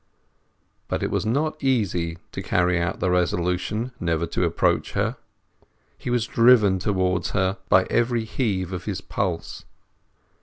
But it was not easy to carry out the resolution never to approach her. He was driven towards her by every heave of his pulse.